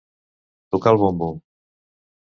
Tocar el bombo.